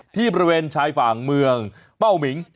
ที่ประเวนชายฝั่งเมืองเม่ามิ๋ง